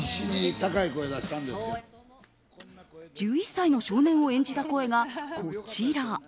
１１歳の少年を演じた声がこちら。